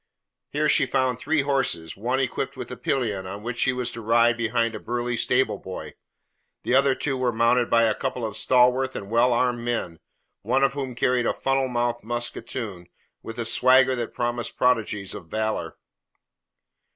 Here she found three horses, one equipped with the pillion on which she was to ride behind a burly stableboy. The other two were mounted by a couple of stalwart and well armed men, one of whom carried a funnel mouthed musketoon with a swagger that promised prodigies of valour.